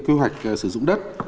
kế hoạch sử dụng đất